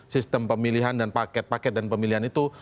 sistem pemilihan dan paket paket dan pemilihan itu